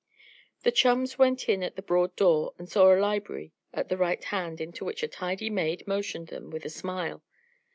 The chums went in at the broad door and saw a library at the right hand into which a tidy maid motioned them, with a smile.